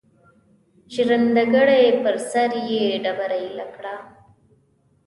ژرندګړی پر سر یې ډبره ایله کړه.